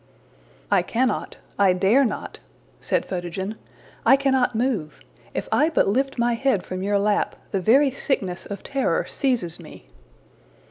'' ``I cannot; I dare not,'' said Photogen. ``I cannot move. If I but lift my head from your lap, the very sickness of terror seizes me.''